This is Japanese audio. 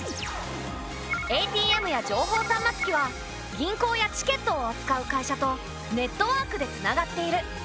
ＡＴＭや情報端末機は銀行やチケットをあつかう会社とネットワークでつながっている。